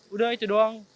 udah itu doang